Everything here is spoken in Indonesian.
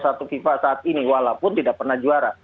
jika kita lihat di fifa saat ini walaupun tidak pernah juara